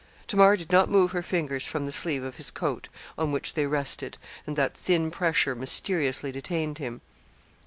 Tamar did not move her fingers from the sleeve of his coat, on which they rested, and that thin pressure mysteriously detained him.